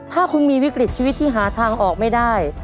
ถ้าคุณมีวิกฤตชีวิตที่หาทางออกไม่ได้